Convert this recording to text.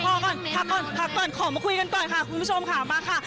ขอมาคุยกันก่อนค่ะคุณผู้ชมค่ะมาค่ะ